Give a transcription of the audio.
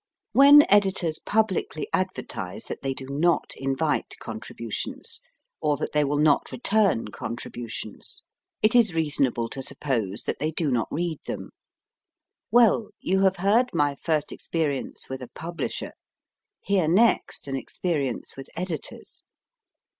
When editors publicly adver tise that they do not invite contributions, or that they will not return contributions, it is reasonable to suppose that they 6 MY FIRST BOOK do not read them. Well, you have heard my first experience with a publisher. Hear next an experience with editors.